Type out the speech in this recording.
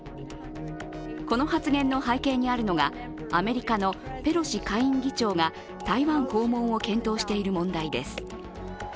この発言の背景にあるのがアメリカのペロシ下院議長が台湾訪問を検討している問題です。